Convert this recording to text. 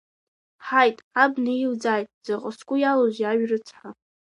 Ҳаит, абна илӡааит, заҟа сгәы иалоузеи ажә рыцҳа!